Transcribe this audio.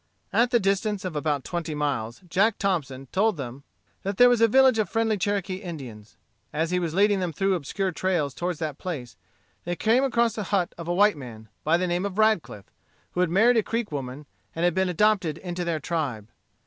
At the distance of about twenty miles, Jack Thompson told them that there was a village of friendly Cherokee Indians. As he was leading them through obscure trails toward that place, they came across the hut of a white man, by the name of Radcliff, who had married a Creek woman, and had been adopted into their tribe.